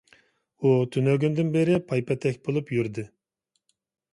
ئۇ تۈنۈگۈندىن بېرى پايپېتەك بولۇپ يۈردى.